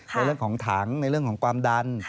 ในเรื่องของถังในเรื่องของความดัน